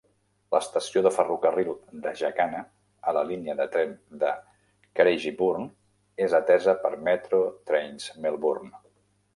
L'estació de ferrocarril de Jacana a la línia de tren de Craigieburn és atesa per Metro Trains Melbourne.